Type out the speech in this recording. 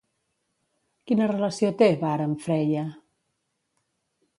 Quina relació té Vár amb Freia?